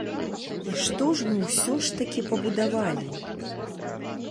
І што ж мы ўсё ж такі пабудавалі?